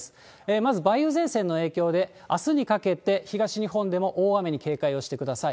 まず梅雨前線の影響で、あすにかけて東日本でも大雨に警戒をしてください。